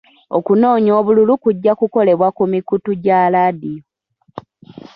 Okunoonya obululu kujja kukolebwa ku mikutu gya laadiyo.